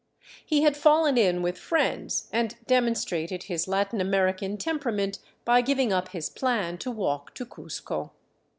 He had fallen in with friends, and demonstrated his Latin American temperament by giving up his plan to walk to Cuzco.